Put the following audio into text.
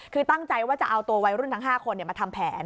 คือตั้งใจว่าจะเอาตัววัยรุ่นทั้ง๕คนมาทำแผน